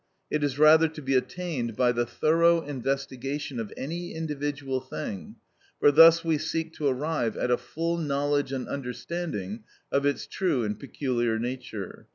It is rather to be attained by the thorough investigation of any individual thing, for thus we seek to arrive at a full knowledge and understanding of its true and peculiar nature.